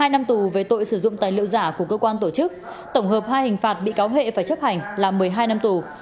một mươi năm tù về tội sử dụng tài liệu giả của cơ quan tổ chức tổng hợp hai hình phạt bị cáo huệ phải chấp hành là một mươi hai năm tù